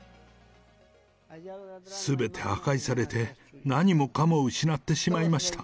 すべて破壊されて、何もかも失ってしまいました。